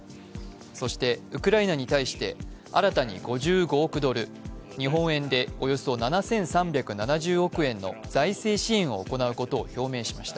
そしてウクライナに対して、新たに５５億ドル、日本円でおよそ７３７０億円の財政支援を行うことを表明しました。